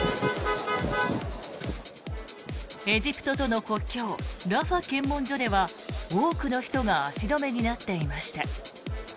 エジプトとの国境ラファ検問所では多くの人が足止めになっていました。